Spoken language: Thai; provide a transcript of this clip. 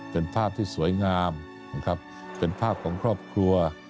เป็นภาพที่สวยงามนะครับเป็นภาพของครอบครัว